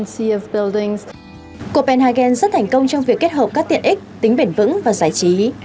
copenhagen rất thành công trong việc kết hợp các tiện ích tính bền vững và giải trí